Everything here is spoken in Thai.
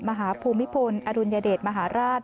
ภูมิพลอดุลยเดชมหาราช